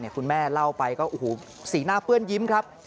คุณแม่เล่าไปก็โอ้โหสีหน้าเปื้อนยิ้มครับ